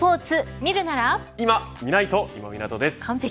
いまみないと、今湊です。